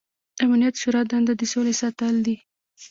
د امنیت د شورا دنده د سولې ساتل دي.